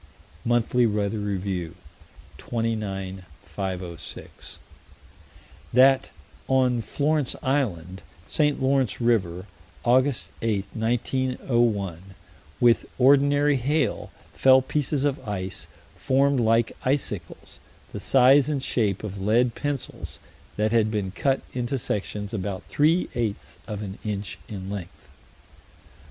Monthly Weather Review, 29 506: That on Florence Island, St. Lawrence River, Aug. 8, 1901, with ordinary hail, fell pieces of ice "formed like icicles, the size and shape of lead pencils that had been cut into sections about three eighths of an inch in length."